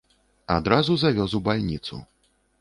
Адразу завёз у бальніцу.